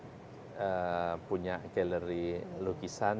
di sini punya galeri lukisan